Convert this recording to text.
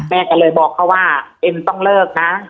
แม่ก็เลยบอกเขาว่าเอ็มต้องเลิกนะ